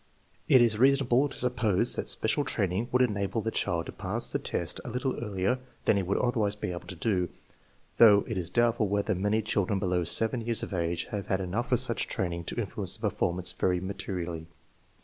It is reasonable to suppose that special training would enable the child to pass the test a little earlier than he would otherwise be able to do, though it is doubtful whether many children below 7 years of age have had enough of such training to influence the performance very materially.